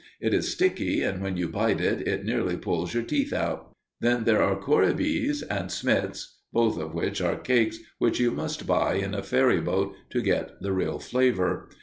It is sticky, and, when you bite it, it nearly pulls your teeth out. Then there are courabiés and smits, both of which are cakes which you must buy on a ferry boat to get the real flavor.